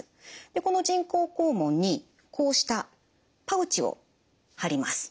この人工肛門にこうしたパウチを貼ります。